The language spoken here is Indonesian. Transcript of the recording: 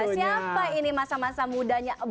siapa ini masa masa mudanya